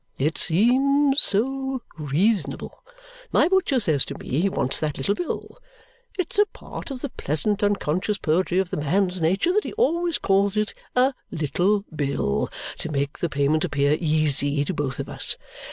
It seems so reasonable! My butcher says to me he wants that little bill. It's a part of the pleasant unconscious poetry of the man's nature that he always calls it a 'little' bill to make the payment appear easy to both of us.